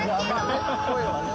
声はね。